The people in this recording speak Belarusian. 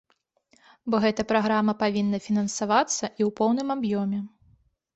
Бо гэта праграма павінна фінансавацца і ў поўным аб'ёме.